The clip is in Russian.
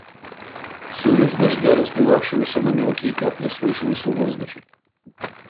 Сырость дождя, разбивавшегося на мелкие капли, слышалась в воздухе.